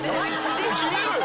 決めろよ。